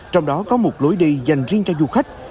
trong đó có một lối đi dành riêng cho du khách